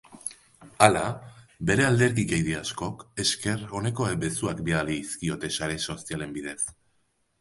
Hala, bere alderdikide askok esker oneko mezuak bidali dizkiote sare sozialen bidez.